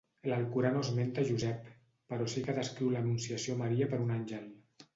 L'Alcorà no esmenta Josep, però sí que descriu l'anunciació a Maria per un àngel.